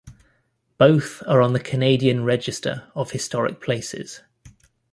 Both are on Canadian Register of Historic Places.